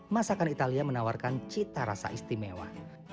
masakan italia menawarkan cita rasa istimewa